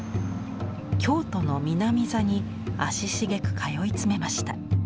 京都の南座に足しげく通い詰めました。